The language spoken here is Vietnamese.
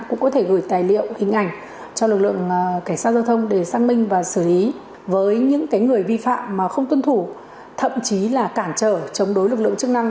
cũng có thể gửi tài liệu hình ảnh cho lực lượng cảnh sát giao thông để xác minh và xử lý với những người vi phạm mà không tuân thủ thậm chí là cản trở chống đối lực lượng chức năng